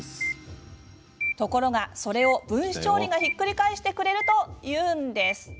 ところが、それを分子調理がひっくり返してくれるというんです。